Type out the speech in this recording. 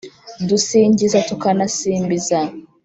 dusingiza tukanasimbiza